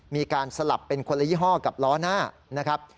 มีการสลับเป็นคนละยี่ห้อกับล้อหน้านะครับ